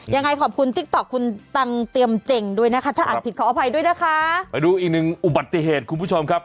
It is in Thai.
ยังไงขอบคุณติ๊กต๊อกคุณตังเตรียมเจ๋งด้วยนะคะถ้าอ่านผิดขออภัยด้วยนะคะไปดูอีกหนึ่งอุบัติเหตุคุณผู้ชมครับ